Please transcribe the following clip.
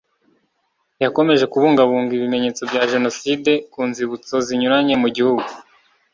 yakomeje kubungabunga ibimenyetso bya Jenoside ku nzibutso zinyuranye mu Gihugu